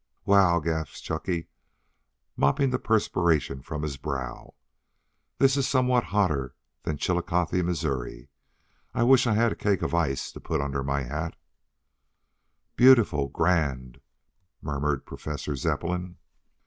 "Whew!" gasped Chunky, mopping the perspiration from his brow. "This is somewhat hotter than Chillicothe, Missouri. I wish I had a cake of ice to put under my hat." "Beautiful! Grand!" murmured Professor Zepplin.